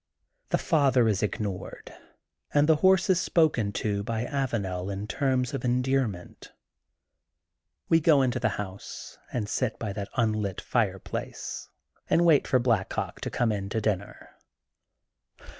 The father is ignored and the horse is spoken 144 THE GOLDEN BOOK OF SPRINGFIELD to by Avanel in terms of endearment. We go into the house and sit by that unlit fireplace and wait for Black Hawk to come in to dinner.